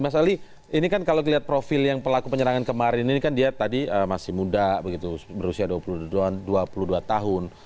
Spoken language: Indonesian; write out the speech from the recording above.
mas ali ini kan kalau dilihat profil yang pelaku penyerangan kemarin ini kan dia tadi masih muda begitu berusia dua puluh dua tahun